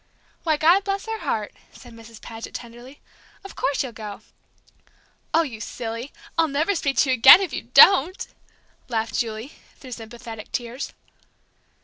"Why, God bless her heart!" said Mrs. Paget, tenderly, "of course you'll go!" "Oh, you silly! I'll never speak to you again if you don't!" laughed Julie, through sympathetic tears.